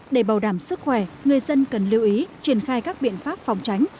để bảo đảm sức khỏe người dân cần lưu ý triển khai các biện pháp phòng tránh